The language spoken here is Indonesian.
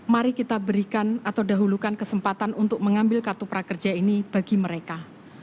mari kita berikan atau dahulukan kesempatan untuk mengambil kartu prakerja ini bagi mereka